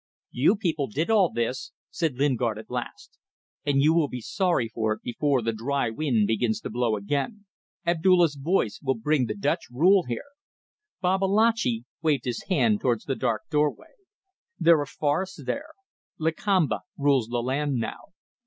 "You people did all this," said Lingard at last, "and you will be sorry for it before the dry wind begins to blow again. Abdulla's voice will bring the Dutch rule here." Babalatchi waved his hand towards the dark doorway. "There are forests there. Lakamba rules the land now.